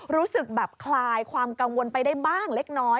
รู้สึกแบบคลายความกังวลไปได้บ้างเล็กน้อย